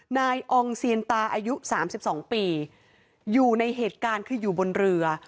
นายอองเซียนตาอายุ๓๒ปีอยู่ในเหตุการณ์คืออยู่บนเรือ